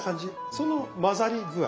その混ざり具合。